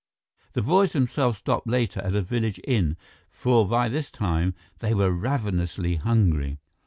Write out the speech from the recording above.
The boys themselves stopped later at a village inn, for by this time they were ravenously hungry.